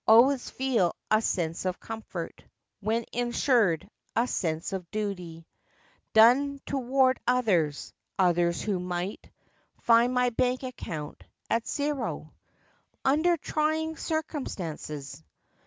Always feel a sense of comfort When insured—a sense of duty Done toward others; others who might Find my bank account at zero Under trying circumstances.